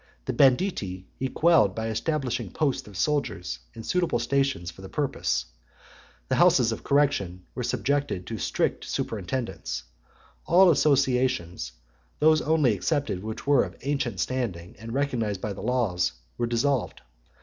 The banditti he quelled by establishing posts of soldiers in suitable stations for the purpose; the houses of correction were subjected to a strict superintendence; all associations, those only excepted which were of ancient standing, and recognised by the laws, were dissolved.